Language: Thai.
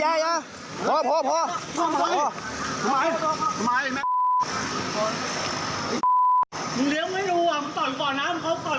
มันเลี้ยงแบบกันไม่มารู้หรอมันเตาะก่อนนะ